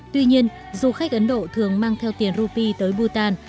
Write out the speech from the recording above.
tuy nhiên du khách ấn độ thường mang theo tiền rupee tới bhutan